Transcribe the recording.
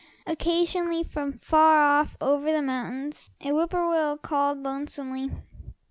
Occasionally, from far off over the mountain, a whippoorwill called lonesomely.